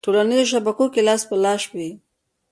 ه ټولنیزو شبکو کې لاس په لاس شوې